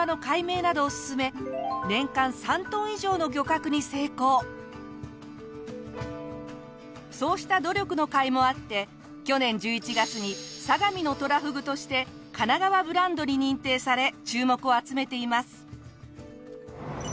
そこで最近ではそうした努力のかいもあって去年１１月に「相模のとらふぐ」としてかながわブランドに認定され注目を集めています。